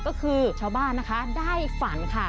ก็คือชาวบ้านนะคะได้ฝันค่ะ